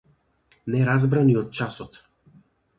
Не разбра ни од часот.